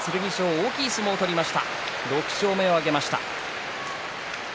大きい相撲を取りました６勝目です。